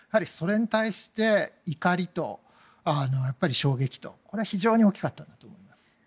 それに対して怒りと衝撃とこれは非常に大きかったんだと思います。